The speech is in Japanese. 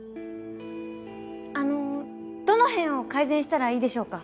あのどの辺を改善したらいいでしょうか？